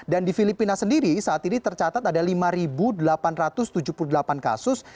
dan di filipina sendiri saat ini tercatat ada lima delapan ratus tujuh puluh delapan kasus